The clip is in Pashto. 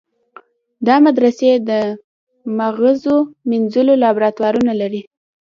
دا مدرسې د مغزو مینځلو لابراتوارونه لري.